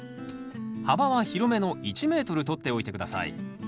幅は広めの１ｍとっておいて下さい。